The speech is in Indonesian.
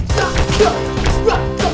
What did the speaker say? duculin juga pak